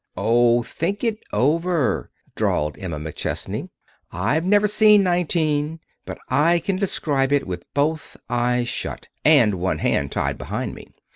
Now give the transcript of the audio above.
"Oh, think it over," drawled Emma McChesney. "I've never seen nineteen, but I can describe it with both eyes shut, and one hand tied behind me.